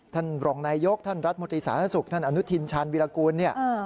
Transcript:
ท่านรองนายกท่านรัฐมธิสรรคสุขท่านอนุทินชาญวิรกูล